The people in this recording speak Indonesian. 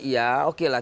ya oke lah